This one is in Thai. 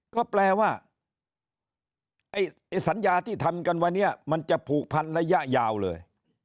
ก็แปลว่าไอ้สัญญาที่ทำกันวันนี้มันจะผูกพันระยะยาวเลย